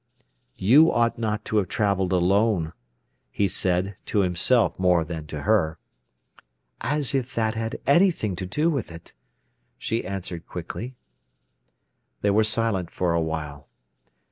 "You ought not to have travelled alone," he said, to himself more than to her. "As if that had anything to do with it!" she answered quickly. They were silent for a while.